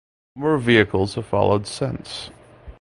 More vehicles have followed since.